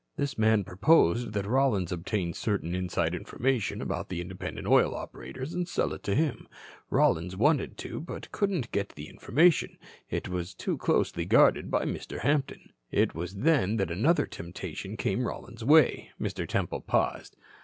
"This man proposed that Rollins obtain certain inside information about the independent oil operators and sell it to him. Rollins wanted to, but couldn't get the information. It was too closely guarded by Mr. Hampton. "It was then that another temptation came Rollins's way." Mr. Temple paused.